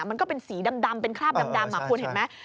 มันก็เป็นสีดำเป็นคราบดำคุณเห็นไหม